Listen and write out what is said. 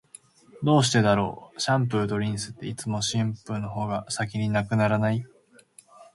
どうしてだろう、シャンプーとリンスって、いつもシャンプーの方が先に無くならない？